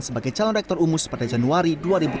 sebagai calon rektor umus pada januari dua ribu tujuh belas